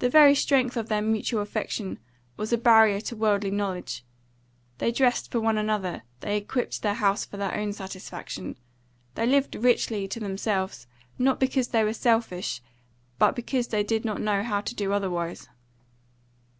The very strength of their mutual affection was a barrier to worldly knowledge; they dressed for one another; they equipped their house for their own satisfaction; they lived richly to themselves, not because they were selfish, but because they did not know how to do otherwise.